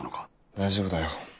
大丈夫だよ。